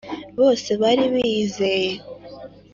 Bose bari biyizeye